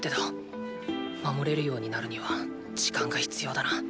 守れるようになるには時間が必要だな。